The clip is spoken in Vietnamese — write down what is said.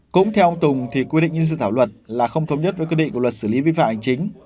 cũng theo ông tùng thì quy định như dự thảo luật là không thống nhất với quy định của luật xử lý vi phạm hành chính